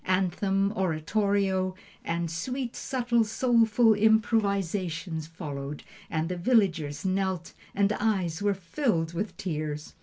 Anthem, oratorio, and sweet, subtle, soulful improvisation followed, and the villagers knelt, and eyes were filled with tears.